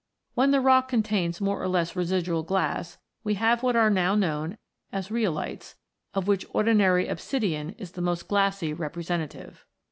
When the rock contains more or less residual glass, we have what are now known as rhyolites, of which ordinary obsidian is the most glassy representative.